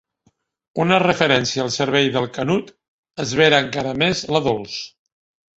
Una referència al cervell del Canut esvera encara més la Dols.